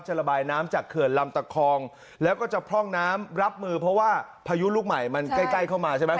ระบายน้ำจากเขื่อนลำตะคองแล้วก็จะพร่องน้ำรับมือเพราะว่าพายุลูกใหม่มันใกล้ใกล้เข้ามาใช่ไหม